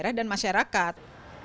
daerah dan masyarakat